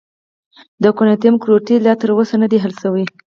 د کوانټم ګرویټي لا تر اوسه نه دی حل شوی.